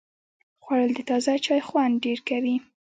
خوړل د تازه چای خوند ډېر کوي